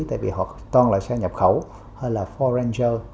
tại vì họ toàn là xe nhập khẩu hay là bốn ranger